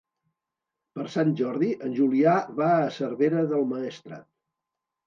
Per Sant Jordi en Julià va a Cervera del Maestrat.